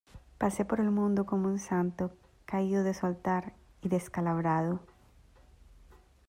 pasé por el mundo como un santo caído de su altar y descalabrado.